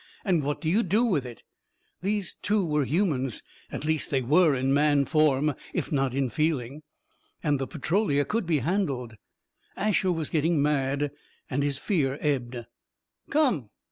"And what do you do with it?" These two were humans. At least, they were in man form, if not in feeling. And the Petrolia could be handled. Asher was getting mad, and his fear ebbed. "Come."